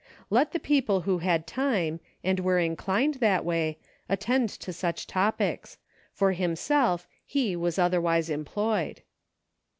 Let the people who had time, and were inclined that way, attend to such topics ; for himself, he was otherwise em ployed.